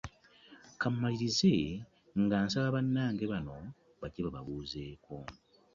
Ka mmalirize nga nsaba bannange bano bajje bababuuzeeko.